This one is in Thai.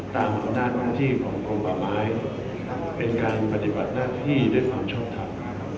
ตามของหน้าหน้าที่ของกรมประมาณเป็นการปฏิบัติหน้าที่ด้วยความช่วงธรรม